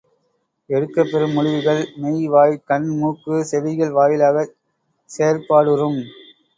எடுக்கப்பெறும் முடிவுகள் மெய், வாய், கண், மூக்கு, செவிகள் வாயிலாகச் செயற்பாடுறும்.